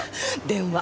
電話。